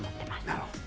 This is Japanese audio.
なるほど。